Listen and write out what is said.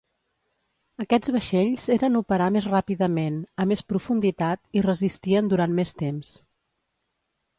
Aquests vaixells eren operar més ràpidament, a més profunditat, i resistien durant més temps.